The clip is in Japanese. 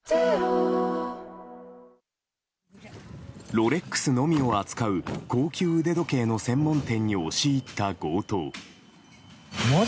ロレックスのみを扱う高級腕時計の専門店に押し入った強盗。